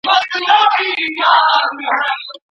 شرعیاتو پوهنځۍ بې اسنادو نه ثبت کیږي.